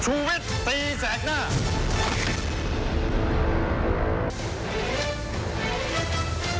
ชูวิตตีแสกหน้า